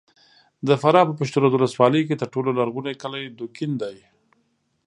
د فراه په پشترود ولسوالۍ کې تر ټولو لرغونی کلی دوکین دی!